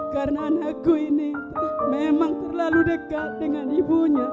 karena anakku ini memang terlalu dekat dengan ibunya